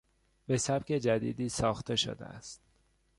به سبک جدیدی ساخته شده است.